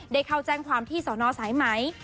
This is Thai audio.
ได้เข้าแจ้งความที่สนสายไหม